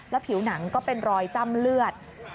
ผิวหนังก็เป็นรอยจ้ำเลือด